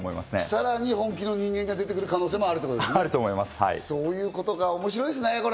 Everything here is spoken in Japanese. さらに本気の人間が出てくる可能性もあるということですね、面白いですね。